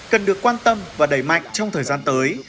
cần được quan tâm và đẩy mạnh trong thời gian tới